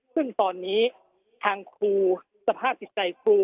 ซึ่งตอนนี้ทางครูสภาพจิตใจครู